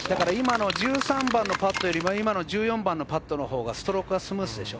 １３番のパットより、今の１４番のパットのほうがストロークがスムーズでしょ。